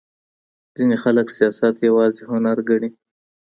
ځينې خلک سياست يوازې هنر ګڼي.